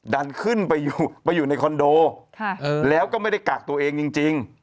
ดันขึ้นไปอยู่ในคอนโดแล้วก็ไม่ได้กักตัวเองจริง